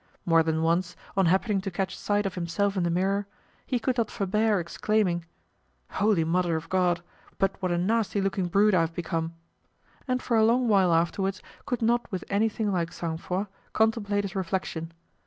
More than once, on happening to catch sight of himself in the mirror, he could not forbear exclaiming: "Holy Mother of God, but what a nasty looking brute I have become!" and for a long while afterwards could not with anything like sang froid contemplate his reflection.